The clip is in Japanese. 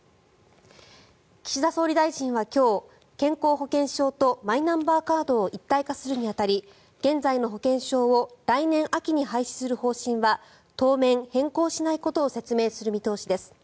岸田総理大臣は今日健康保険証とマイナンバーカードを一体化するに当たり現在の保険証を来年秋に廃止する方針は当面、変更しないことを説明する見通しです。